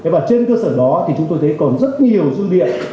và trên cơ sở đó thì chúng tôi thấy còn rất nhiều dư địa